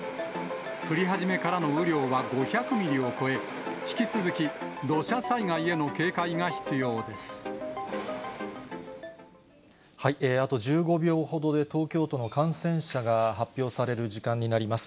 降り始めからの雨量は５００ミリを超え、引き続き土砂災害への警あと１５秒ほどで、東京都の感染者が発表される時間になります。